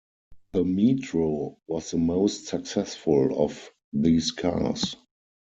The Metro was the most successful of these cars.